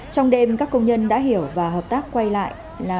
trong đêm các công nhân đã hiểu và hợp tác quay lại là